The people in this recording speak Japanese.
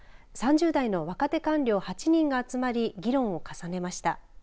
３０代の若手官僚８人が集まり議論を重ねました。